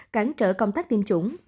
cản trở công tác tiêm chủng